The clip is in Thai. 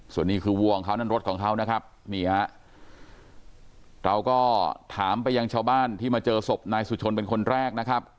ส่วนนี้คือวัวของเขานั่นรถของเขานะครับนี่ฮะเราก็ถามไปยังชาวบ้านที่มาเจอศพนายสุชนเป็นคนแรกนะครับ